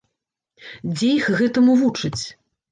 Дзе іх гэтаму вучаць?